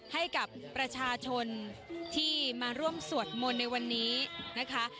ให้กับประชาชนที่มาร่วมสวดมนต์ในวันนี้นะคะ